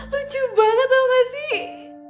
lucu banget tau gak sih